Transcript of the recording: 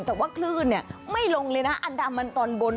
แต่ว่าคลื่นไม่ลงเลยนะอันดามันตอนบน